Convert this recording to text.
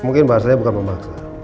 mungkin bahasanya bukan memaksa